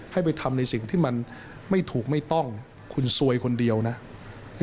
ให้ไปทำในสิ่งที่มันไม่ถูกไม่ต้องคุณซวยคนเดียวนะ